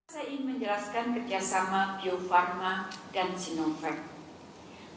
saya ingin menjelaskan kerjasama bio farma dan sinovac